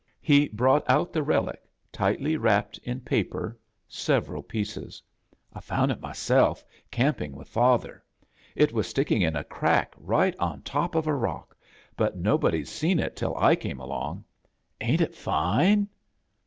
He brought out the relic, tightly wrapped in paper, several pie:;es. "I foun' it myself, camping with father. It was sticking in a crack right on top of a rock, but nobod/d seen it till I came along. Ain't it fine?"